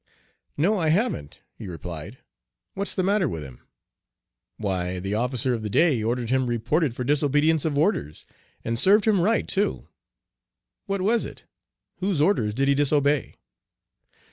"No, I haven't," he replied; "what's the matter with him?" "Why, the officer of the day ordered him reported for disobedience of orders, and served him right too." "What was it? Whose orders did he disobey?"